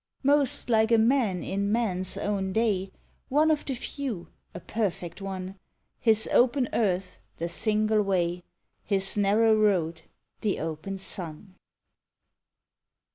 Most like a man in man's own day, One of the few, a perfect one: His open earth—the single way; His narrow road—the open sun.